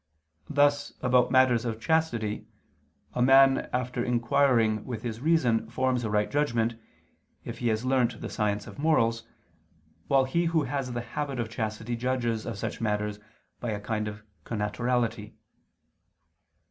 Thus, about matters of chastity, a man after inquiring with his reason forms a right judgment, if he has learnt the science of morals, while he who has the habit of chastity judges of such matters by a kind of connaturality.